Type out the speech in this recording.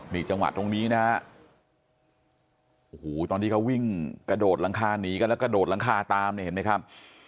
นี่จังหวะตรงนี้นะฮะโอ้โหตอนที่เขาวิ่งกระโดดหลังคาหนีกันแล้วกระโดดหลังคาตามเนี่ยเห็นไหมครับ